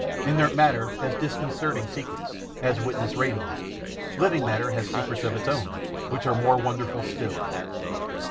Inert matter has disconcerting secrets, as witness radium; living matter has secrets of its own, which are more wonderful still.